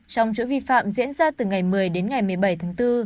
trong chuỗi vi phạm diễn ra từ ngày một mươi đến ngày một mươi bảy tháng bốn